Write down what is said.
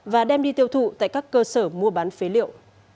và đem đi tiêu thụ tại các cơ sở mua bán phế liệu